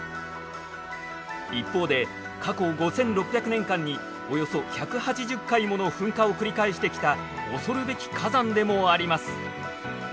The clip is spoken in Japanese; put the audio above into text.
一方で過去５，６００年間におよそ１８０回もの噴火を繰り返してきた恐るべき火山でもあります。